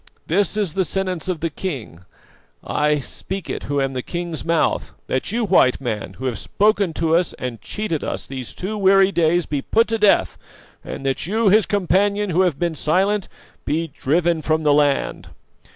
This is the sentence of the king, I speak it who am the king's mouth: That you, White Man, who have spoken to us and cheated us these two weary days, be put to death, and that you, his companion who have been silent, be driven from the land.